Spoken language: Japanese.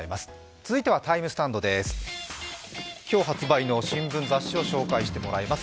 続いてはＴＩＭＥスタンドです。